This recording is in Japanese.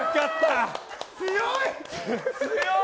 強い！